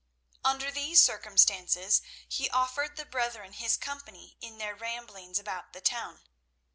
Under these circumstances, he offered the brethren his company in their ramblings about the town.